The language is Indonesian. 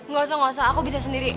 gak usah gak usah aku bisa sendiri